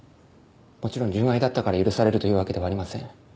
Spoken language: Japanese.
もちろん純愛だったから許されるというわけではありません。